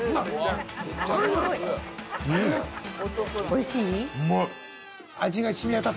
おいしい？